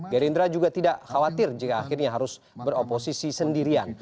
gerindra juga tidak khawatir jika akhirnya harus beroposisi sendirian